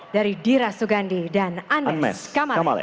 dari dira sugandi dan anmes kamale